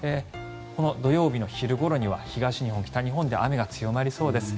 土曜日の昼ごろには東日本、北日本で雨が強まりそうです。